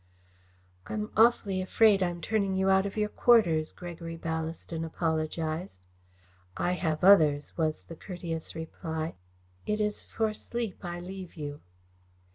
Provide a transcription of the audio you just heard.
"I'm awfully afraid I'm turning you out of your quarters," Gregory Ballaston apologised. "I have others," was the courteous reply. "It is for sleep I leave you."